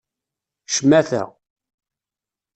Ccmata!